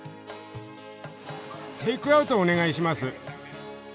テークアウトお願いします。